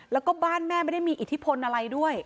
แล้วก็บ้านแม่ไม่ได้มีอิทธิพลอะไรด้วย